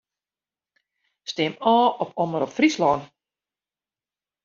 Stim ôf op Omrop Fryslân.